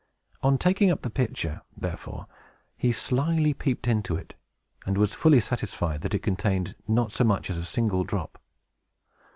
On taking up the pitcher, therefore, he slyly peeped into it, and was fully satisfied that it contained not so much as a single drop.